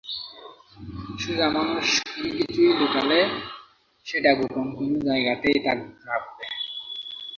সোজা মানুষ কোনোকিছু লুকোলে সেটা গোপন কোনো জায়গাতেই রাখবে।